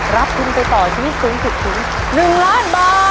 รับขึ้นไปต่อชีวิตสูงถึงถึง